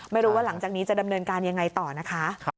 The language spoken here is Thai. ไม่รู้ว่าหลังจากนี้จะดำเนินการยังไงต่อนะคะ